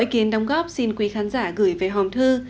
mọi ý kiến đóng góp xin quý khán giả gửi về hòm thư